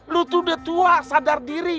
lu tuh udah tua sadar diri